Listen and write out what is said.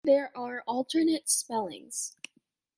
There are alternate spellings.